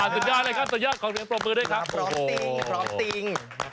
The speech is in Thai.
สุดยอดแล้วเพิ่มโปรบมือด้วยครับรับตรง